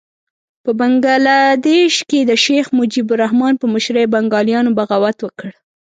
په بنګه دېش کې د شیخ مجیب الرحمن په مشرۍ بنګالیانو بغاوت وکړ.